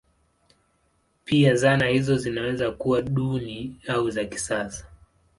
Pia zana hizo zinaweza kuwa duni au za kisasa.